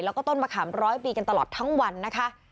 แล้วก็ต้นมะขามร้อยปีกันตลอดทั้งวันนะคะ